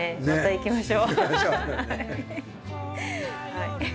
行きましょう。